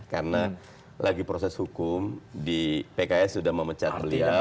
karena lagi proses hukum di pks sudah memecat beliau